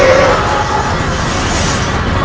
aku pernah meminta